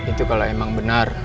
itu kalo emang benar